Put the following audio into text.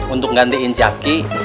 untuk ngantiin jaki